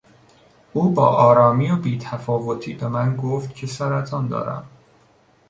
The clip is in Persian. او با آرامی و بی تفاوتی به من گفت که سرطان دارم.